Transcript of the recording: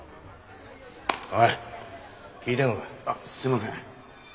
あっすみません。